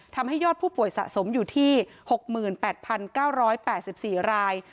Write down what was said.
ทำให้ยอดผู้ป่วยสะสมอยู่ที่๖๘๙๘๔ราย